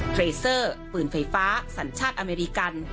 เทรเซอร์ปืนไฟฟ้าสัญชาติอเมริกัน